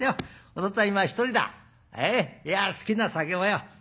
いや好きな酒もよ